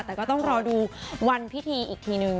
แต่ก็ต้องรอดูวันพิธีอีกทีนึง